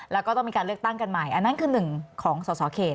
แล้วก็ต้องมีการเลือกตั้งกันใหม่อันนั้นคือหนึ่งของสอสอเขต